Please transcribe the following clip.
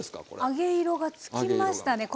揚げ色がつきましたね。